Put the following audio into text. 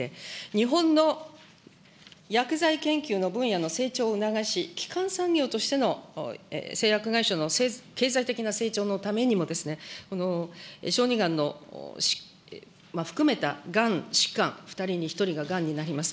日本の薬剤研究の分野の成長を促し、基幹産業としての製薬会社の経済的な成長のためにも、この小児がんの、含めたがん疾患、２人に１人ががんになります。